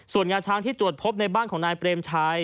ส่วนงาช้างที่ตรวจพบในบ้านของนายเปรมชัย